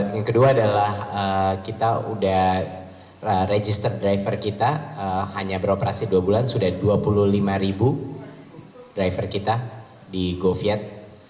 yang kedua adalah kita sudah register driver kita hanya beroperasi dua bulan sudah dua puluh lima ribu driver kita di goviet